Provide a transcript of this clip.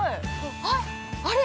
◆あっ、あれ。